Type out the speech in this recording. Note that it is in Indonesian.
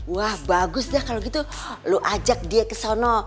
wah bagus dah kalo gitu lu ajak dia ke sono